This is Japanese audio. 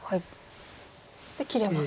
で切れます。